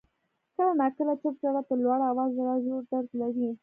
• کله ناکله چپ ژړا تر لوړ آوازه ژړا ژور درد لري.